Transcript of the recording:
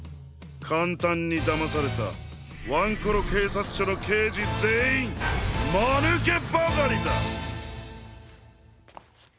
かんたんにだまされたワンコロけいさつしょのけいじぜんいんまぬけばかりだ！